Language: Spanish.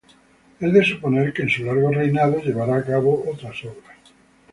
Es de suponer que en su largo reinado llevara a cabo otras obras.